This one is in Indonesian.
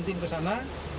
tim ke sana